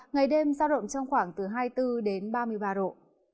ngày đêm sao động trong khoảng từ hai mươi bốn ba mươi ba độ